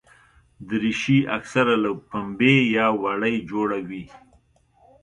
دریشي اکثره له پنبې یا وړۍ جوړه وي.